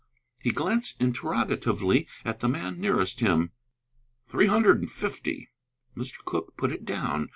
He glanced interrogatively at the man nearest him. "Three hundred and fifty." Mr. Cooke put it down.